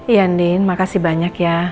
iya andin makasih banyak ya